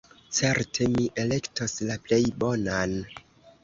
Certe mi elektos la plej bonan.